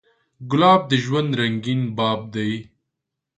ګلاب د ژوند رنګین باب دی.